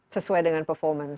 sesuai dengan performance